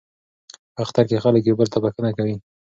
په اختر کې خلک یو بل ته بخښنه کوي.